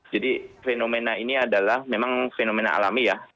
jadi fenomena ini adalah memang fenomena alami ya